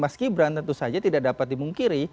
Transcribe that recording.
mas gibran tentu saja tidak dapat dimungkiri